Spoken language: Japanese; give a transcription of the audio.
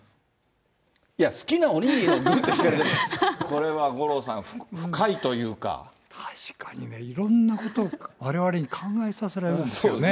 いや、好きなお握りの具って聞かれて、これは五郎さん、確かにね、いろんなことを、われわれに考えさせられるんですよね。